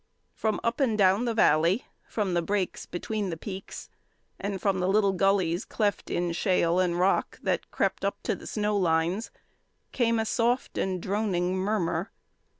From up and down the valley, from the breaks between the peaks, and from the little gullies cleft in shale and rock that crept up to the snow lines came a soft and droning murmur.